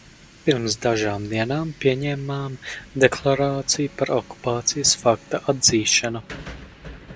Pirms dažām dienām pieņēmām deklarāciju par okupācijas fakta atzīšanu.